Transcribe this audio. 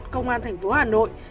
công an thành phố hà nội